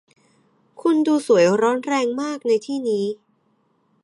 คุณดูสวยร้อนแรงมากในที่นี้